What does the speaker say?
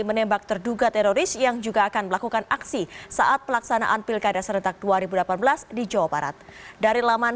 kedua terduga teroris juga pernah mengikuti pelatihan